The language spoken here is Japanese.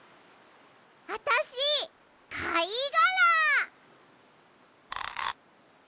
あたしかいがら！